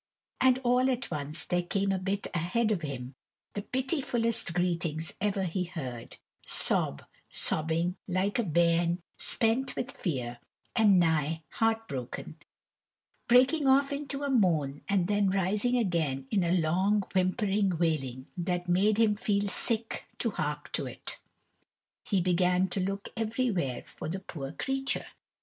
And all at once there came a bit ahead of him the pitifullest greetings ever he heard, sob, sobbing, like a bairn spent with fear, and nigh heartbroken; breaking off into a moan and then rising again in a long whimpering wailing that made him feel sick to hark to it. He began to look everywhere for the poor creature.